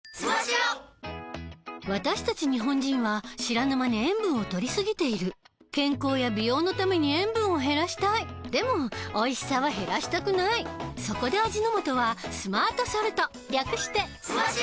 私たち日本人は知らぬ間に塩分をとりすぎている健康や美容のために塩分を減らしたいでもおいしさは減らしたくないそこで味の素は「スマートソルト」略して「スマ塩」！